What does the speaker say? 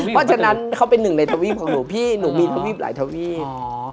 เพราะฉะนั้นเขาเป็นหนึ่งในทวีปของหนูพี่หนูมีทวีปหลายทวีป